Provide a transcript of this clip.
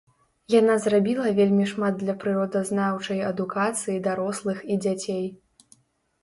Яна зрабіла вельмі шмат для прыродазнаўчай адукацыі дарослых і дзяцей.